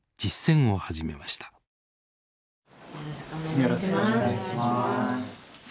よろしくお願いします。